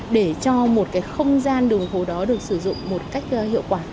để cho một cái không gian đường hồ đó được sử dụng một cách hiệu quả